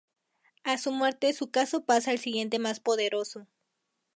A su muerte su casco pasa al siguiente más poderoso.